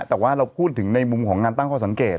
แต่ว่าเราพูดถึงในมุมของการตั้งข้อสังเกต